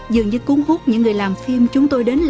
dường như cúng hút những người làm phim chúng tôi đến lạ